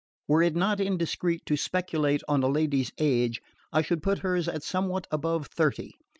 Were it not indiscreet to speculate on a lady's age, I should put hers at somewhat above thirty.